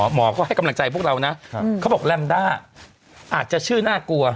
หมอก็ให้กำลังใจพวกเรานะเขาบอกแรมด้าอาจจะชื่อน่ากลัว